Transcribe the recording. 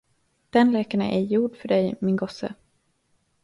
Den leken är ej gjord för dig, min gosse.